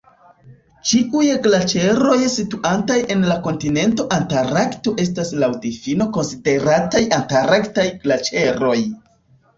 Ĉiuj glaĉeroj situantaj en la kontinento Antarkto estas laŭ difino konsiderataj Antarktaj glaĉeroj.